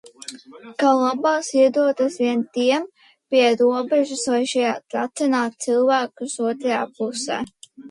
Ka labās iedotas vien tiem pie robežas, lai šie tracinātu cilvēkus otrā pusē.